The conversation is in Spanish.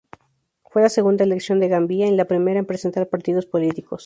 Fue la segunda elección de Gambia y la primera en presentar partidos políticos.